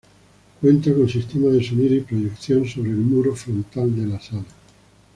Cuenta con sistema de sonido y proyección sobre el muro frontal de la sala.